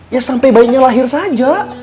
ya sampai bayinya lahir saja